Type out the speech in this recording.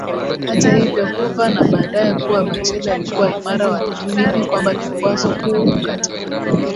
hata hivyo Hoover na baadaye kuwa bachela Alikuwa imara wanaamini kwamba kikwazo kuu katika